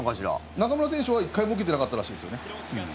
中村選手は、１回も受けてなかったらしいですよね。